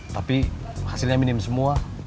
tapi hasilnya minim semua